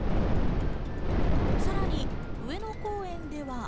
さらに上野公園では。